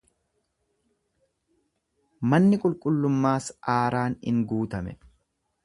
Manni qulqullummaas aaraan in guutame.